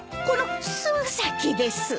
このすぐ先です。